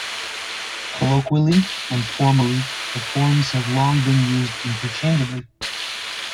Colloquially and formally, the forms have long been used interchangeably.